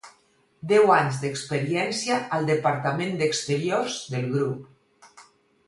Deu anys d'experiència al departament d'exteriors del grup.